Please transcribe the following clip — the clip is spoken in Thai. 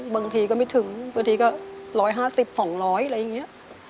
บางทีก็ไม่ถึงบางทีก็๑๕๐๒๐๐อะไรอย่างนี้